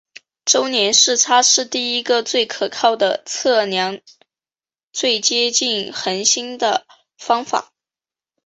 周年视差是第一个最可靠的测量最接近恒星的方法。